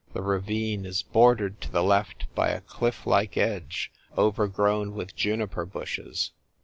The ravine is bordered to the left by a cliff like edge, overgrown witli juniper bushes.